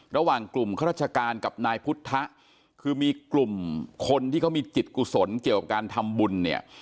ระหว่างกลุ่มข้าราชการกับนายพุทธะคือมีกลุ่มคนที่เขามีจิตกุศลเกี่ยวกับการทำบุญเนี่ย